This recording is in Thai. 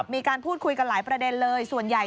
มีการพูดคุยกันหลายประเด็นเลย